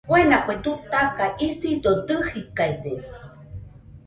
Fuena kue butaka , isido dɨjikaide.